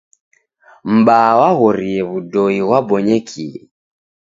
M'baa waghorie w'udoi ghwabonyekie.